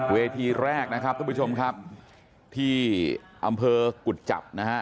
เวทีแรกนะครับทุกผู้ชมครับที่อำเภอกุจจับนะฮะ